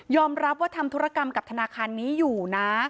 รับว่าทำธุรกรรมกับธนาคารนี้อยู่นะ